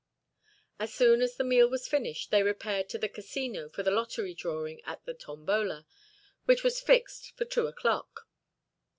As soon as the meal was finished, they repaired to the Casino for the lottery drawing at the tombola, which was fixed for two o'clock.